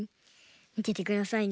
みててくださいね。